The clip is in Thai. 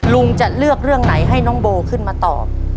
ลุงจะเลือกเรื่องไหนให้น้องโบขึ้นมาตอบ